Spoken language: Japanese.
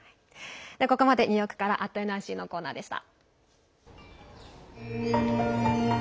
ここまでニューヨークから「＠ｎｙｃ」のコーナーでした。